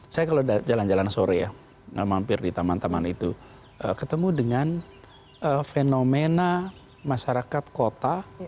saya kalau jalan jalan sore ya mampir di taman taman itu ketemu dengan fenomena masyarakat kota